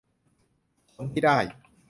ผลที่ได้